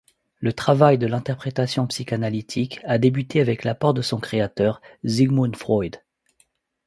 Le travail de l’interprétation psychanalytique a débuté avec l’apport de son créateur Sigmund Freud.